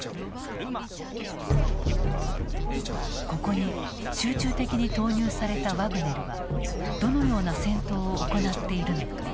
ここに集中的に投入されたワグネルはどのような戦闘を行っているのか。